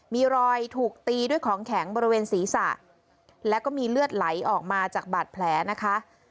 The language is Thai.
มีรอยถูกตีด้วยของแข็งบริเวณศีรษะแล้วก็มีเลือดไหลออกมาจากบาดแผลนะคะ